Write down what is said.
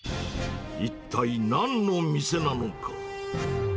一体なんの店なのか。